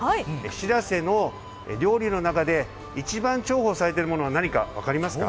しらせの料理の中で一番、重宝されているものは何か分かりますか。